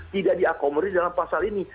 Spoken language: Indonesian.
tidak diakomodir dalam pasal ini